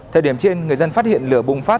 thời điểm trên người dân phát hiện lửa bùng phát